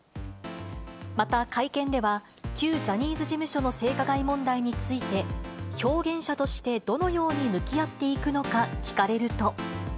また会見では、旧ジャニーズ事務所の性加害問題について、表現者としてどのように向き合っていくのか聞かれると。